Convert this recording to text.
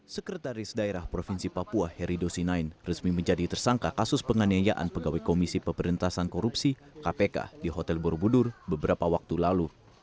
sekretaris daerah provinsi papua heri dosinain resmi menjadi tersangka kasus penganiayaan pegawai komisi pemberantasan korupsi kpk di hotel borobudur beberapa waktu lalu